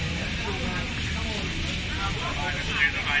วัดขอบคุณที่กลงที่กำลังที่สะพาน